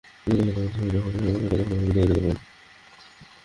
হরতাল-অবরোধের সময় যখন এসব গাছ কাটা হয়, তখন আমরা বিদ্যালয়ে যেতে পারিনি।